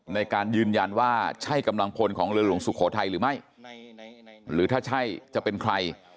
ในการยืนยันว่าใช่กำลังพลของเรือหลวงสุโขทัยหรือไม่หรือถ้าใช่จะเป็นใคร